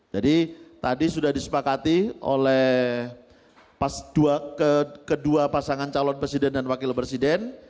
jadi tadi sudah disepakati oleh kedua pasangan calon presiden dan wakil presiden